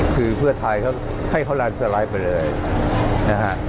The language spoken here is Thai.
คือเพื่อไทยเขาให้เขาแลนดสไลด์ไปเลยนะฮะ